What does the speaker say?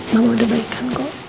mama udah balikan kok